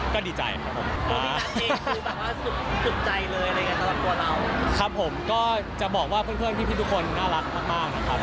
ครับผมก็จะบอกว่าเพื่อนพี่ทุกคนน่ารักมากนะครับ